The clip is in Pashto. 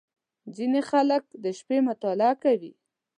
• ځینې خلک د شپې مطالعه کوي.